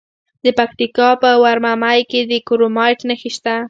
د پکتیکا په ورممی کې د کرومایټ نښې شته.